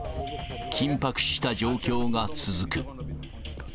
緊迫した状況が続く。